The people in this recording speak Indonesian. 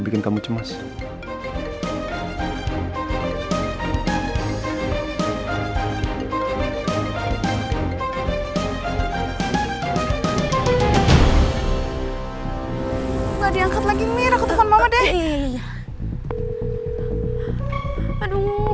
perut lu kenapa